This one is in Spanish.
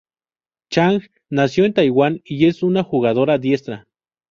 Chang nació en Taiwán y es una jugadora diestra.